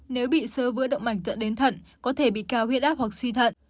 nếu bị sơ vữa động mạch dẫn đến thận có thể bị cao huyết áp hoặc suy thận